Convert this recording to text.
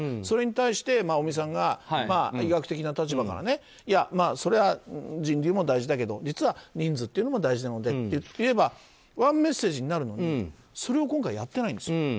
それに対して尾身さんが医学的な立場からそれは人流も大事だけど実は人数も大事なのでといえばワンメッセージになるのにそれを今回やってないんです。